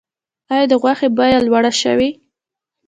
آیا د غوښې بیه لوړه شوې؟